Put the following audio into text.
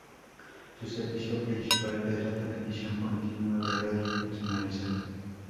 Su servicio principal es la transmisión continua de radio personalizada.